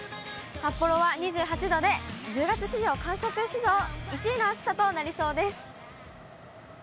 札幌は２８度で、１０月史上、観測史上１位の暑さとなりそうです。